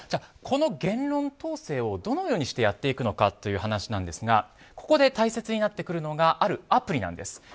この言論統制をどのようにしてやっていくのかという話ですがここで大切になってくるのがあるアプリなんです。